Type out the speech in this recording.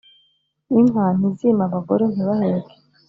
inka ntizime abagore ntibaheke,